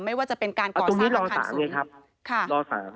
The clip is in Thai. ไม่ว่าจะเป็นการก่อสร้างทางสูงตรงนี้รอสามเนี่ยครับค่ะรอสามอืม